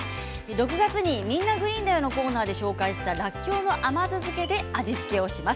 ６月に「みんな！グリーンだよ」で紹介したらっきょうの甘酢漬けで味付けををします。